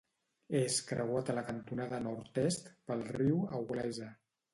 És creuat a la cantonada nord-est pel riu Auglaize.